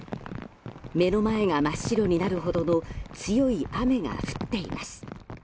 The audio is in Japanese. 目の前が真っ白になるほどの強い雨が降っています。